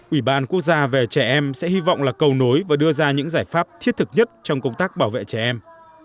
ủy ban quốc gia về trẻ em sẽ hy vọng là cầu nối và đưa ra những giải pháp thiết thực nhất trong công tác bảo vệ trẻ em